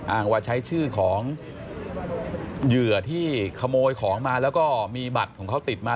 อ้างว่าใช้ชื่อของเหยื่อที่ขโมยของมาแล้วก็มีบัตรของเขาติดมา